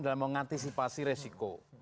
dalam mengantisipasi resiko